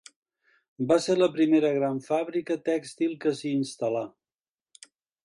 Va ser la primera gran fàbrica tèxtil que s'hi instal·là.